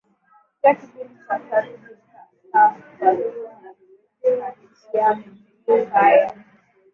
Pia kipindi cha tatu kilitwaliwa na katiak mia ka ya